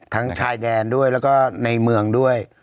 ทั้งชายแดนด้วยทั้งในเมืองด้วย